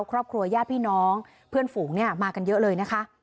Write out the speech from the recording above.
ครอบครัวญาติพี่น้องเพื่อนฝูงเนี่ยมากันเยอะเลยนะคะ